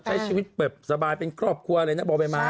ใช้ชีวิตแบบสบายเป็นครอบครัวเลยนะบ่อใบไม้